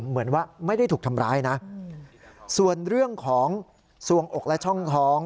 เหมือนว่าไม่ได้ถูกทำร้ายนะส่วนเรื่องของส่วงอกและช่องท้อง